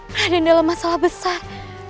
raden dalam masalah besar